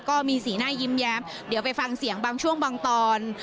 ก็มีสีหน้ายิ้มแย้มเดี๋ยวไปฟังเสียงบางช่วงบางตอน